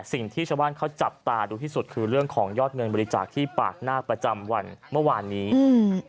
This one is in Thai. สิ่งที่ชาวบ้านเขาจับตาดูที่สุดคือเรื่องของยอดเงินบริจาคที่ปากนาคประจำวันเมื่อวานนี้อืม